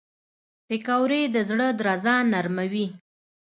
پکورې د زړه درزا نرموي